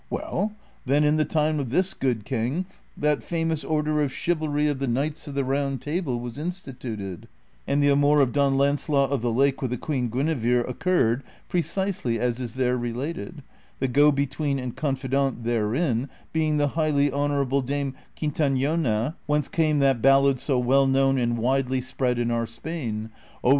Well, then, in the time of this good king that famous order of chivalry of the Knights of the Round Table was instituted, and the amour of Don Lance lot of the Lake with the Queen Guinevere occurred, precisely as is there related, the go between and confidante therein being the highly honorable dame Quintanona, whence came that ballad so well known and widely spread in our Spain — CHAPTER XI 11.